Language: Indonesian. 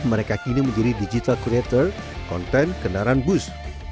mereka kini menjadi digital creator konten kendaraan bus